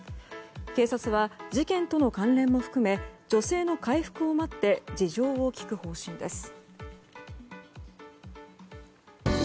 警察は事件との関連も含め女性の回復を待って事情を聴く方針です。